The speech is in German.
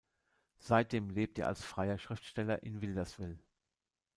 Seitdem lebt er als freier Schriftsteller in Wilderswil.